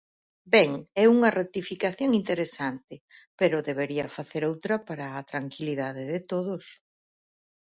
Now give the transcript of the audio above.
Ben, é unha rectificación interesante, pero debería facer outra para a tranquilidade de todos.